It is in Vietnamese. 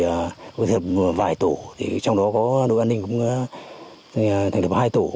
vừa rồi có thêm vài tổ trong đó có đội an ninh cũng thành được hai tổ